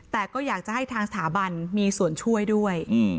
แต่ก็อยากจะให้ทางสถาบันมีส่วนช่วยด้วย